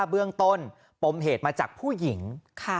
เบื้องต้นปมเหตุมาจากผู้หญิง